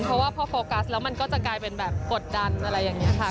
เพราะว่าพอโฟกัสแล้วมันก็จะกลายเป็นแบบกดดันอะไรอย่างนี้ค่ะ